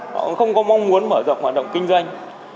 họ cũng không có mong muốn mở rộng hoạt động kinh doanh